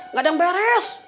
nggak ada yang beres